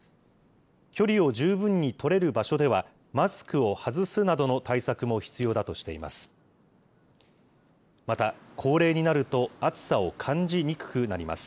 距離を十分に取れる場所では、マスクを外すなどの対策も必要だとしています。